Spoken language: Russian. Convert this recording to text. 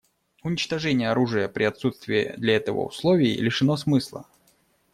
Уничтожение оружия при отсутствии для этого условий лишено смысла.